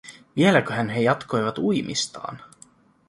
Vieläköhän he jatkoivat uimistaan?